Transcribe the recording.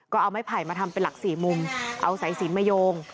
ก็เอาไม้ไผ่มาทำเป็นหลักสี่มุมเอาสายสินมาโยง